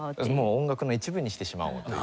音楽の一部にしてしまおうという。